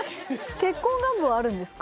結婚願望はあるんですか？